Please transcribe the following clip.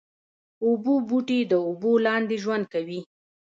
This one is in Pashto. اوبو بوټي د اوبو لاندې ژوند کوي